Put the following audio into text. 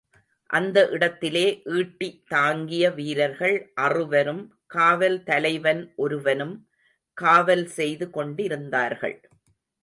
அந்த இடத்திலே ஈட்டி தாங்கிய வீரர்கள் அறுவரும், காவல் தலைவன் ஒருவனும் காவல் செய்து கொண்டிருந்தார்கள்.